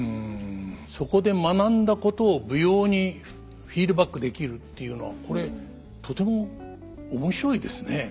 そこで学んだことを舞踊にフィードバックできるっていうのはこれとても面白いですね。